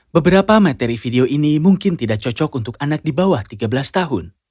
beberapa materi video ini mungkin tidak cocok untuk anak di bawah tiga belas tahun